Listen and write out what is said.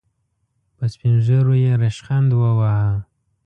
په سپين ږيرو يې ريشخند وواهه.